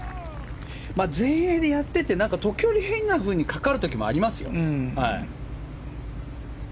全英でやってて時折、変なふうにかかることもありますよ。